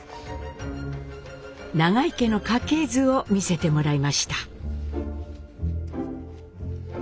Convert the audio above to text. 永井家の家系図を見せてもらいました。